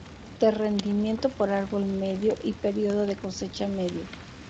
De rendimiento por árbol medio y periodo de cosecha medio.